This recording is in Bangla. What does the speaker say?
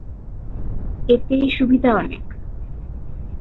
এতে সুবিধা অনেক।